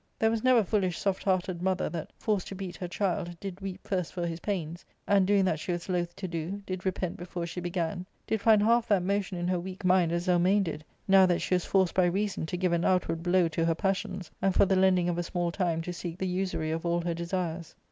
There was never foolish soft hearted mother that, forced to beat her child, did weep first for his pains, and, doing that she was loath to do, did repent before she began, did find half that motion in her weak mind as Zelmane did, now that she was forced by reason to give an outward blow to her passions, and for the lending of a small time to seek the usury of all her desires.